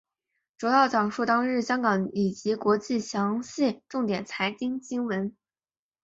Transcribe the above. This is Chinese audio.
主要讲述当日香港以及国际详细重点财经新闻。